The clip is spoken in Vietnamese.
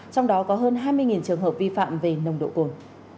trong đó có hơn hai mươi trường hợp vi phạm về nồng độ cồn